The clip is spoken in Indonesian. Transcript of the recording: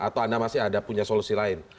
atau anda masih ada punya solusi lain